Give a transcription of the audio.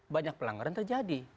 banyak pelanggaran terjadi